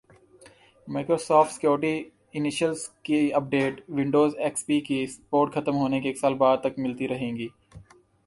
Microsoft security essentials کی updates Windows X P کی support ختم ہونے کے ایک سال بعد تک ملتی رہیں گی